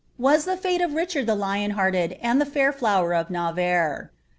was the fate of Richard the Lion hcaned ami the lair flower of Navarre.